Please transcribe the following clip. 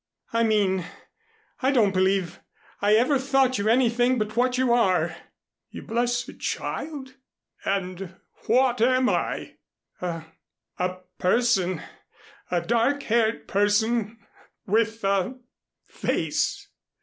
"I mean I don't believe I ever thought you anything but what you are." "You blessed child. And what am I?" "A a person. A dark haired person with a face."